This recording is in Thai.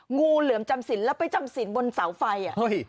งูเหลือมจำสินแล้วไปจำสินบนเสาไฟ